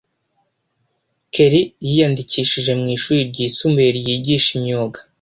kelly yiyandikishije mu ishuri ryisumbuye ryigisha imyuga